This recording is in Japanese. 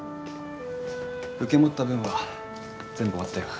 受け持った分は全部終わったよ。